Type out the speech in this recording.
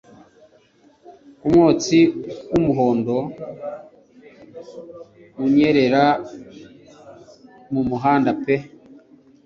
Ku mwotsi w'umuhondo unyerera mu muhanda pe